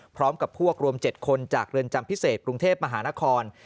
พร้อมกับพวกรวม๗คนจากเรือนจำพิเศษกรุงเทพมหานคร